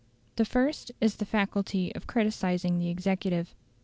The first is the faculty of criticising the executive.